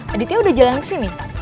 aditya udah jalan kesini